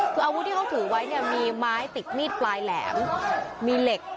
คืออาวุธที่เขาถือไว้เนี่ยมีไม้ติดมีดปลายแหลมมีเหล็ก